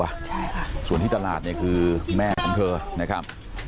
ใช่ค่ะส่วนที่ตลาดเนี่ยคือแม่ของเธอนะครับ